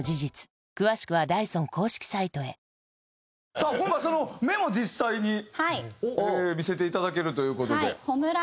さあ今回はそのメモを実際に見せていただけるという事で。